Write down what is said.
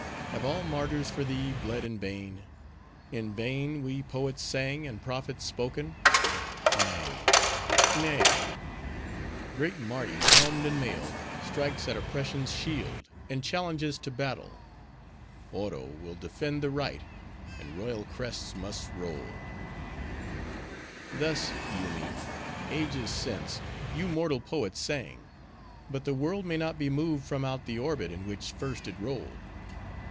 have all martyrs for thee bled in vain; in vain we poets sang, and prophets spoken? Nay, nay; great Mardi, helmed and mailed, strikes at Oppression's shield, and challenges to battle! Oro will defend the right, and royal crests must roll." "Thus, Yoomy, ages since, you mortal poets sang; but the world may not be moved from out the orbit in which first it rolled.